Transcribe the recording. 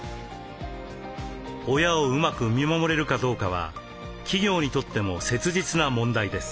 親をうまく見守れるかどうかは企業にとっても切実な問題です。